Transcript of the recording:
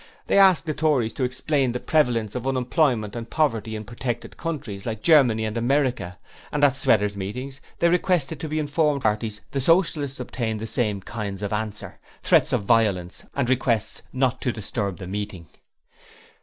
They asked the Tories to explain the prevalence of unemployment and poverty in protected countries, like Germany and America, and at Sweater's meetings they requested to be informed what was the Liberal remedy for unemployment. From both parties the Socialists obtained the same kinds of answer threats of violence and requests 'not to disturb the meeting'.